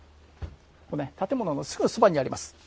建物のすぐそばにあります。